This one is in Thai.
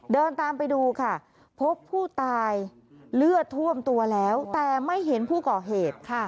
เดินตามไปดูค่ะพบผู้ตายเลือดท่วมตัวแล้วแต่ไม่เห็นผู้ก่อเหตุค่ะ